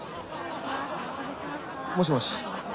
もしもし？